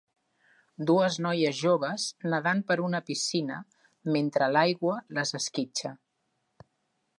Dues noies joves nedant per una piscina mentre l"aigua les esquitxa.